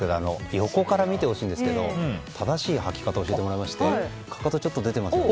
横から見てほしいんですが正しい履き方教えてもらいましてかかと、ちょっと出てますよね。